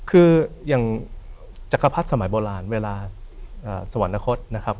คืออย่างจักรพรรดิสมัยโบราณเวลาสวรรคตนะครับ